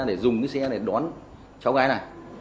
để dùng cái xe này đón cháu gái này